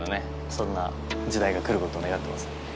そんな時代が来ることを願ってます。